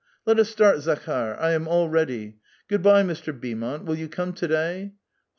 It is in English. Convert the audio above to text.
"Let us start, Zakhdr; I am all ready. Good by, Mr. Beaumont ; will you come to day